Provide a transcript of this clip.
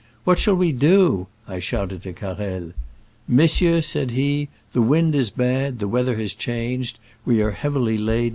" What shall we do ?'* I shouted to Carrel. Mon sieur, said he, the wind is bad, the weather has changed, we are heavily laden.